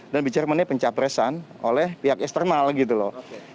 dan bicara mengenai pencapresan oleh pihak eksternal gitu loh